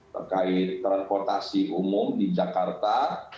terkait transportasi umum di jakarta